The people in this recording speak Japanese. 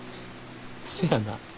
せやな。